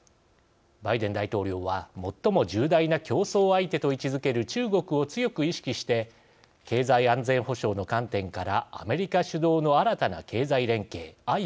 バイデン大統領は最も重大な競争相手と位置づける中国を強く意識して経済安全保障の観点からアメリカ主導の新たな経済連携